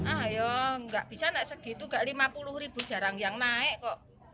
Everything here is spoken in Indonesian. ayo nggak bisa naik segitu gak lima puluh ribu jarang yang naik kok